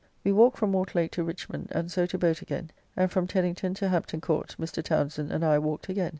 We walked from Mortlake to Richmond, and so to boat again. And from Teddington to Hampton Court Mr. Townsend and I walked again.